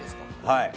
はい。